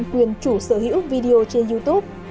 bản quyền chủ sở hữu video trên youtube